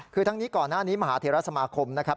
คือทั้งนี้ก่อนหน้านี้มหาเทราสมาคมนะครับ